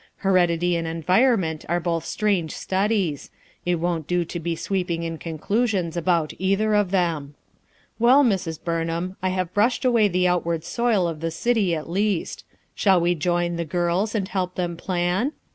Heredity and environment are both strange studies; it won't do to be sweeping in conclu sions about either of them. Well, Mrs. Burn ham, I have brushed away the outward soil of the city at least; shall we join 'the girls' and help them plan?